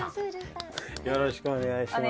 よろしくお願いします。